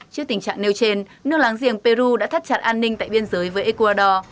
trước tình trạng nêu trên nước láng giềng peru đã thắt chặt an ninh tại biên giới với ecuador